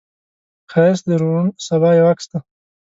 ښایست د روڼ سبا یو عکس دی